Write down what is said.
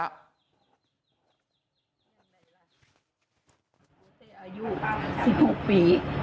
อายุ๑๖ปี